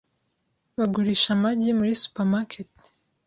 Bagurisha amagi muri supermarket .